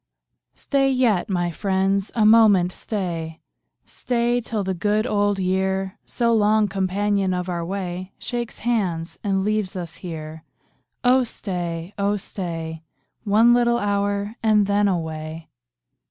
Stat yet, my friends, a moment stay — Stay till the good old year, So long companion of our way, Shakes hands, and leaves ns here. Oh stay, oh stay. One little hour, and then away.